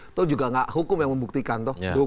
itu juga hukum yang membuktikan